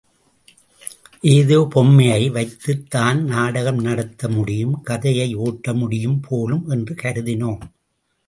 ஏதோ பொம்மையை வைத்துத் தான் நாடகம் நடத்த முடியும் கதையை ஓட்ட முடியும் போலும் என்று கருதினோம்.